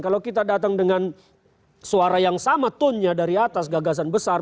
kalau kita datang dengan suara yang sama tone nya dari atas gagasan besar